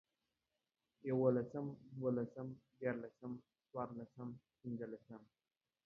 يوولسم، دوولسم، ديارلسم، څلورلسم، پنځلسم